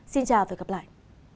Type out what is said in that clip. xin chào và gặp lại